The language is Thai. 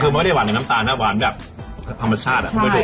คือมันก็ไม่ได้หวานในน้ำตาลมันก็ไม่ได้หวานแบบธรรมชาติ